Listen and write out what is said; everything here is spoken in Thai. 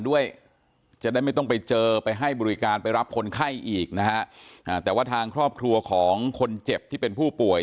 ด้วยจะได้ไม่ต้องไปเจอไปให้บริการไปรับคนไข้อีกนะฮะแต่ว่าทางครอบครัวของคนเจ็บที่เป็นผู้ป่วย